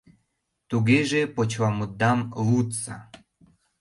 — Тугеже почеламутдам лудса.